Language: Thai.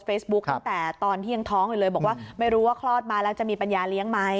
ตั้งแต่ตอนที่ยังท้องอยู่เลยบอกว่าไม่รู้ว่าคลอดมาแล้วจะมีปัญญาเลี้ยงไหม